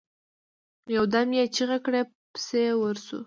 يودم يې چيغه کړه! پسې ورځو.